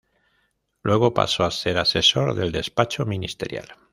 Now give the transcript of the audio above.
Luego pasó a ser Asesor del Despacho Ministerial.